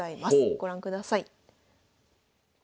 ご覧ください。